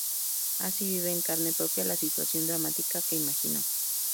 Así, vive en carne propia la situación dramática que imaginó.